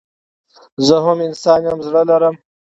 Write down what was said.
زه هم انسان يم زړه لرم